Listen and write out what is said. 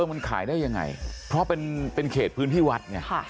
มันขายได้ยังไงเพราะเป็นเขตพื้นที่วัดไง